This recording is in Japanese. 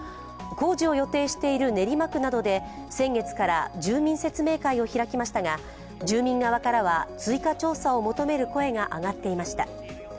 工事を予定している練馬区などで住民説明会を開きましたが、住民側からは追加調査を求める声が上がっていました。